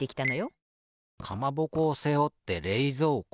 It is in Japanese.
かまぼこをせおってれいぞうこ。